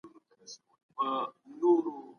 ټولنیز نظم د پوهانو لخوا څیړل کیږي.